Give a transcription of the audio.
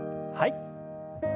はい。